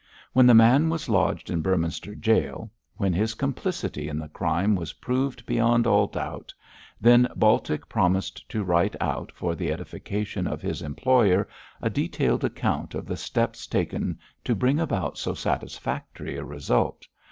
When the man was lodged in Beorminster Jail when his complicity in the crime was proved beyond all doubt then Baltic promised to write out, for the edification of his employer, a detailed account of the steps taken to bring about so satisfactory a result.